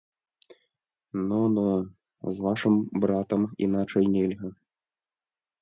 Но, но, з вашым братам іначай нельга.